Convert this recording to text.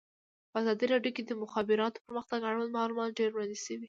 په ازادي راډیو کې د د مخابراتو پرمختګ اړوند معلومات ډېر وړاندې شوي.